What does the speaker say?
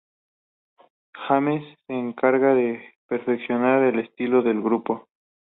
Gámez se encargaría de perfeccionar el estilo del grupo.